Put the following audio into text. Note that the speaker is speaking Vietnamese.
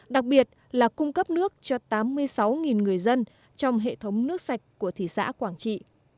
đặc biệt là cung cấp nước cho tám mươi sáu người dân trong hệ thống nước sạch của thị xã quảng trị